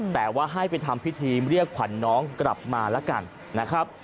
แต่ว่าให้ไปทำพิธีเรียกขวัญน้องกลับมาแล้วกันนะครับ